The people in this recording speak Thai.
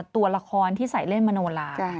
ตัวละครที่ใส่เล่นมโนลา